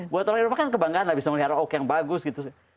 buat orang eropa kan kebanggaan abis melihat ok yang bagus gitu